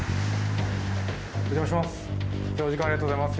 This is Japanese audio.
お邪魔します。